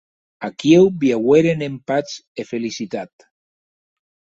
Aquiu viueren en patz e felicitat.